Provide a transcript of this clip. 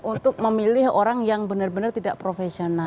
untuk memilih orang yang benar benar tidak profesional